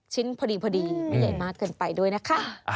ชิ้นพอดีไม่ใหญ่มากเกินไปด้วยนะคะ